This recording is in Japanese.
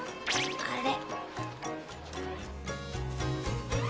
あれ？